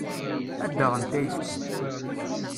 Ad d-aɣent ayefki.